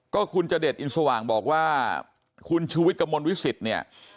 ก็คุณจเดชอินสว่างบอกว่าคุณชูวิทย์กระมวลวิสิตเนี่ย